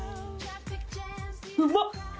うまっ！